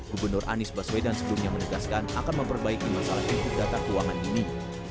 gubernur anies baswedan sebelumnya menegaskan akan memperbaiki masalah input data keuangan ini